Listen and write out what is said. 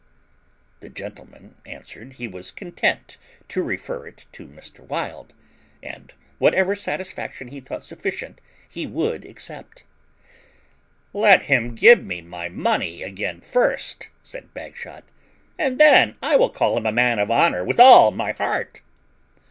The gentleman answered he was content to refer it to Mr. Wild, and whatever satisfaction he thought sufficient he would accept. "Let him give me my money again first," said Bagshot, "and then I will call him a man of honour with all my heart."